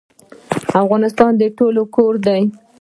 افغانستان د ټولو کور دی